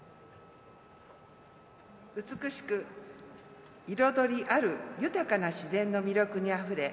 美しく彩りある豊かな自然の魅力にあふれ